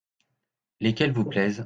Lesquels vous plaisent ?